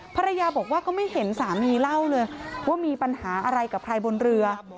ภรรยาบอกว่าก็ไม่เห็นสามีเล่าเลยว่ามีปัญหาอะไรกับใครบนเรือ